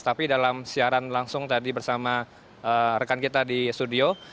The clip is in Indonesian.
tapi dalam siaran langsung tadi bersama rekan kita di studio